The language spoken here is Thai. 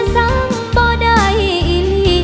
สังเบาใดอิหรี่